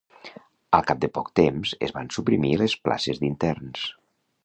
Al cap de poc temps es van suprimir les places d'interns.